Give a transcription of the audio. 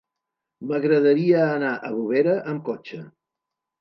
M'agradaria anar a Bovera amb cotxe.